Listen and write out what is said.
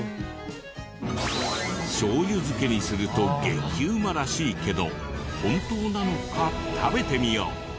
しょう油漬けにすると激ウマらしいけど本当なのか食べてみよう！